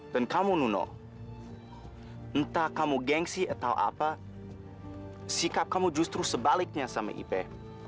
dan kamu nuno entah kamu gengsi atau apa sikap kamu justru sebaliknya sama ipih